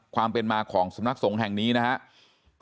ความเป็นมาของสำนักสงฆ์แห่งนี้นะครับ